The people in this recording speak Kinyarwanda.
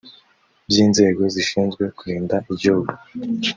by inzego zishinzwe kurinda igihugu